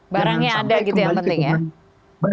barangnya ada gitu yang penting ya